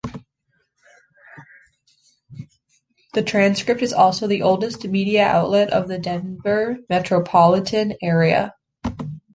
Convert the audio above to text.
The "Transcript" is also the oldest media outlet of the Denver metropolitan area.